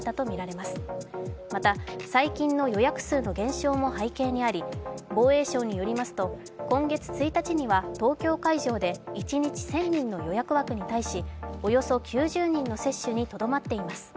また、最近の予約数の減少も背景にあり、防衛省によりますと、今月１日には東京会場で一日１０００人の予約枠に対しおよそ９０人の接種にとどまっています。